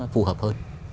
phù hợp hơn